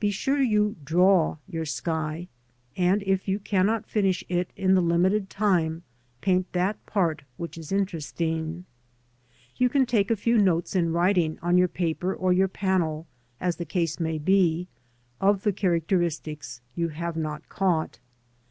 Be sure you draw your sky, and if you cannot finish it in the limited time, paint that part which is interesting. You can take a few notes in writing on your paper or your panel, as the case may be, of the character istics you have not caught.